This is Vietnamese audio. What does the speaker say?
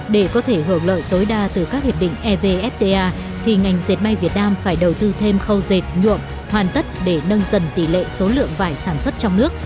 để có thể hưởng lợi tối đa từ các hiệp định evfta thì ngành dệt may việt nam phải đầu tư thêm khâu dệt nhuộm hoàn tất để nâng dần tỷ lệ số lượng vải sản xuất trong nước